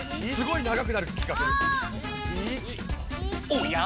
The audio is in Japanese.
おや？